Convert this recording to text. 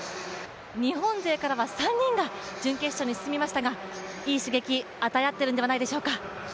日本勢からは３人が準決勝に進みましたが、いい刺激を与え合っているんじゃないでしょうか？